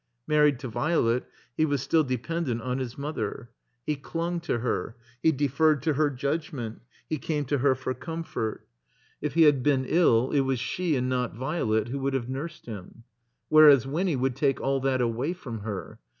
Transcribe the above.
Married to Violet, he was still dependent on his mother. He cltmg to her, he deferred to her judgment, he came to her for comfort. If he had 3SI THE COMBINED MAZE been ill it was she and not Violet who would have nursed him. Whereas Winny would take all that away from her.